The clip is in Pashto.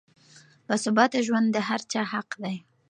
باثباته ژوند د هر چا حق دی.